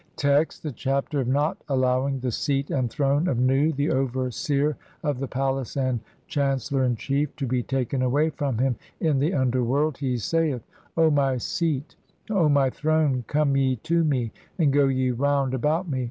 Text: (1) The Chapter of not allowing the seat and throne of Nu, the overseer of the palace and chancel lor in chief, TO BETAKEN AWAY (2) FROM HIM IN THE UNDER WORLD. He saith :— "O my Seat, O my Throne, come ye to me, and go ye round "about me.